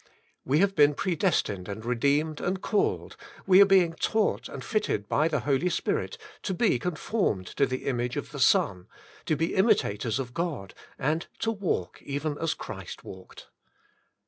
"We have been predes tined and redeemed and called, we are being taught and fitted by the Holy Spirit, to be con formed to the image of the Son, to be imitators of God, and to walk even as Christ walked.